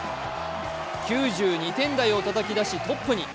９２点台をたたき出しトップに。